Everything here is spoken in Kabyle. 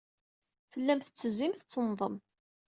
Tellam tettezzim, tettennḍem.